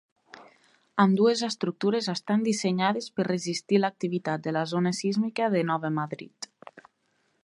Ambdues estructures estan dissenyades per resistir l'activitat de la zona sísmica de Nova Madrid.